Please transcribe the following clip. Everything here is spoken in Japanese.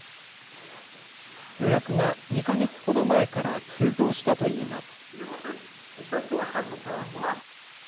予約が２か月ほど前から急増したといいます。